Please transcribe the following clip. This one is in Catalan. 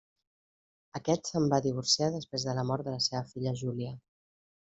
Aquest se'n va divorciar després de la mort de la seva filla Júlia.